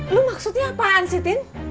lu maksudnya apaan sih tin